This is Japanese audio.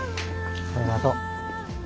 ありがとう。